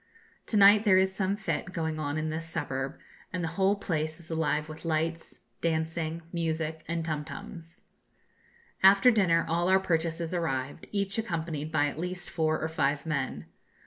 To night there is some fête going on in this suburb, and the whole place is alive with lights, dancing, music, and tum tums. After dinner all our purchases arrived, each accompanied by at least four or five men.